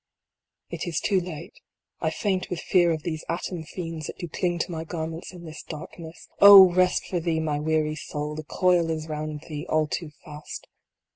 It is too late. I faint with fear of these atom fiends that do cling to my garments in this darkness. Oh ! rest for thee, my weary soul, The coil is round thee all too fast.